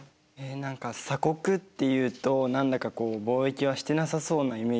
何か鎖国っていうと何だかこう貿易はしてなさそうなイメージでしたけど。